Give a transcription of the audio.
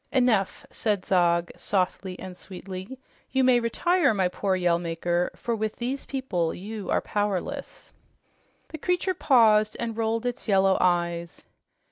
"Enough!" said Zog, softly and sweetly. "You may retire, my poor Yell Maker, for with these people you are powerless." The creature paused and rolled its yellow eyes.